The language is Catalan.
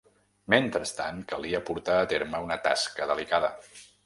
Mentrestant, calia portar a terme una tasca delicada.